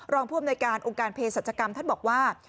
รองผู้อำนวยการองค์การเพศรัชกรรมท่านบอกว่า